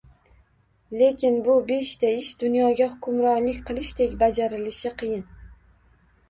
Lekin bu beshta ish dunyoga hukmronlik qilishdek bajarilishi qiyin